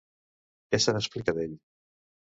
Què se n'explica, d'ell?